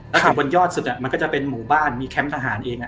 แล้วถึงบนยอดสุดอะมันก็จะเป็นหมู่บ้านมีแคมพ์ทหารเองอะ